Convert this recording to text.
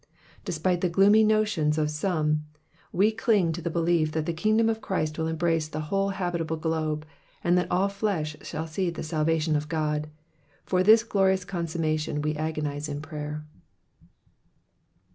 Despite the gloomy notions of some, we cling to the belief that the kingdom of Christ will embrace the whole habitable globe, and that all flesh shall see the salvation of God : for this glorious consummation we agonize in prayer.